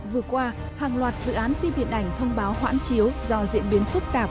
vừa qua hàng loạt dự án phim điện ảnh thông báo hoãn chiếu do diễn biến phức tạp